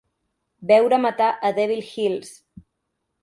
Veure matar a Devil Hills.